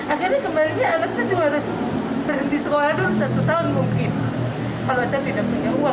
akhirnya kemarinnya anak saya juga harus berhenti sekolah dulu satu tahun mungkin